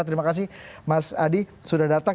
terima kasih mas adi sudah datang